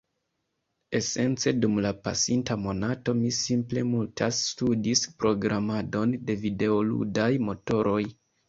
esence dum la pasinta monato mi simple multe studis programadon de videoludaj motoroj.